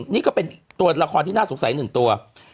นี่ก็เป็นตัวละครที่น่าสงสัย๑ตัว